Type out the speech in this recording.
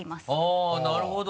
あっなるほど。